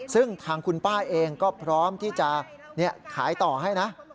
ซึ่งทางคุณป้าเองก็พร้อมที่จะขายต่อให้นะ